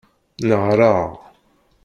Nehṛeɣ.